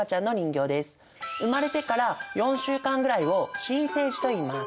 生まれてから４週間ぐらいを新生児といいます。